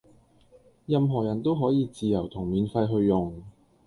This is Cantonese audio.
任何人都可以自由同免費去用